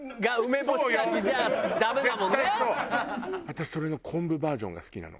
私それの昆布バージョンが好きなの。